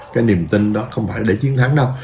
cái niềm tin đó không phải để chiến thắng đâu